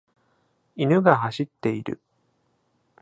犬が走っている。